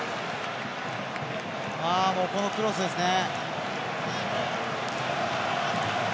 このクロスですね。